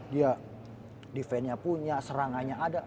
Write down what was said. dia defense nya punya serangannya ada